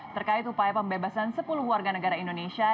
terkait upaya pembebasan sepuluh warga negara indonesia